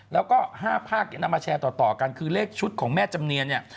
แล้วก็๕ภาคนำมาแชร์ต่อกันคือเลขชุดของแม่จำเนียนเนี่ย